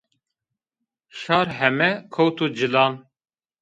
Şar heme kewto cilan